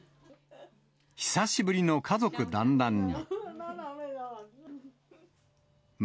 久しぶりの家族団らんに。